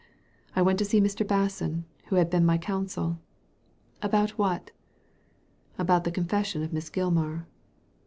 I went to see Mr. Basson, who had been my counsel." "About what?" " About the confession of Miss Gilmar."